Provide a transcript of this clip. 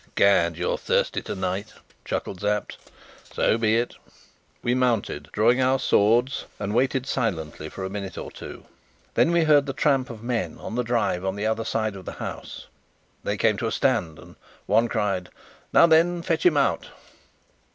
"Gad, you're thirsty tonight," chuckled Sapt. "So be it." We mounted, drawing our swords, and waited silently for a minute or two. Then we heard the tramp of men on the drive the other side of the house. They came to a stand, and one cried: "Now then, fetch him out!"